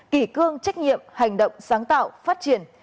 kỷ cương trách nhiệm hành động sáng tạo phát triển